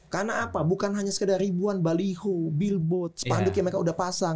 karena apa bukan hanya sekedar ribuan baliho bilbot sepanduk yang mereka udah pasang